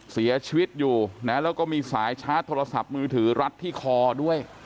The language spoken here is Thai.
เสียชีวิตอยู่นะแล้วก็มีสายชาร์จโทรศัพท์มือถือรัดที่คอด้วย